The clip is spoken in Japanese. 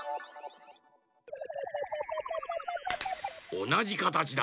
おなじかたちだ。